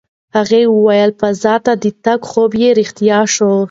هغې وویل فضا ته د تګ خوب یې رښتیا شو.